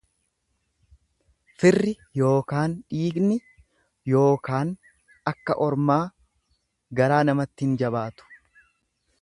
Firri yookaan dhiigni yookaan akka ormaa garaa namatti hin jabaatu.